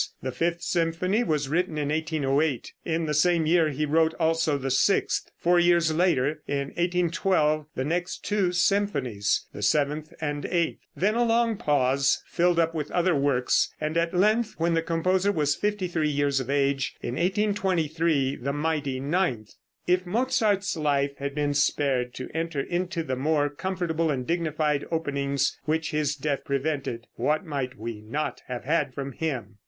The fifth symphony was written in 1808. In the same year he wrote also the sixth; four years later, in 1812, the next two symphonies, the seventh and eight. Then a long pause, filled up with other works, and at length when the composer was fifty three years of age, in 1823, the mighty ninth. If Mozart's life had been spared to enter into the more comfortable and dignified openings which his death prevented, what might we not have had from him!